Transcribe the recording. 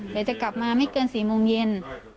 เดี๋ยวจะกลับมาไม่เกินสี่โมงเย็น